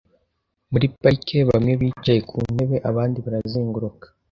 Muri parike, bamwe bicaye ku ntebe, abandi barazenguruka .